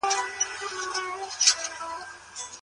د شريعت احکامو ته بشپړ درناوی ولرئ.